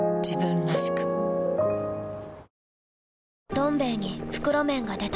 「どん兵衛」に袋麺が出た